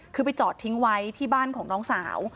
คือไปจอดทิ้งไว้ที่บ้านของน้องสาว